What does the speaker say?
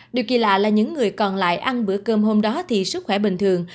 điều kỳ lạ là những người còn lại ăn bữa cơm hôm đó thì sức khỏe bình thường